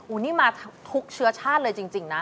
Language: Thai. นี่มาทุกเชื้อชาติเลยจริงนะ